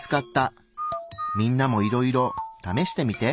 みんなもいろいろ試してみて。